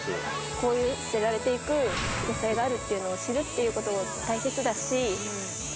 こういう捨てられていく野菜があるっていうのを知るということが大切だし、あ！